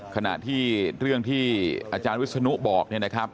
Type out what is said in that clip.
ขณะที่เรื่องที่อาจารย์วิชนุบอก